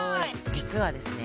実はですね